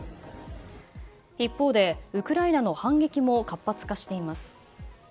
一方でウクライナの反撃も活発化しています。